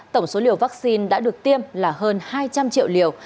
tổng số liều vaccine đã được tiêm là hơn hai trăm linh triệu liều